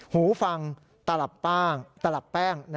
หูฟังตลับแป้งตลับแป้ง